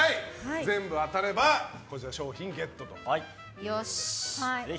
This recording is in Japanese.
全部当たれば、商品ゲットと。